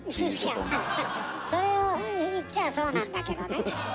いやまあそれを言っちゃあそうなんだけどね。